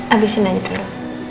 abisin aja dulu